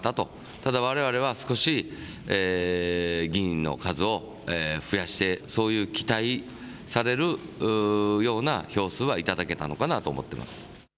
ただ、われわれは少し議員の数を増やして、そういう期待されるような票数は頂けたのかなと思っています。